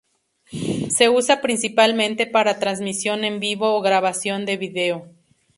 Se usa principalmente para transmisión en vivo o grabación de video.